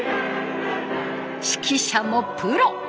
指揮者もプロ。